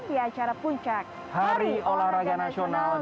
di acara puncak h o n a s dua ribu dua puluh satu